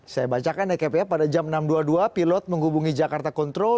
saya bacakan ya cap ya pada jam enam dua puluh dua pilot menghubungi jakarta control